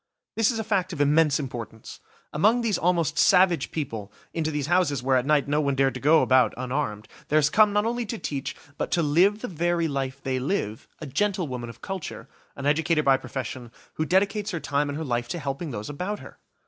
This is a fact of immense importance. Among these almost savage people, into these houses where at night no one dared to go about unarmed, there has come not only to teach, but to live the very life they live, a gentlewoman of culture, an educator by profession, who dedicates her time and her life to helping those about her!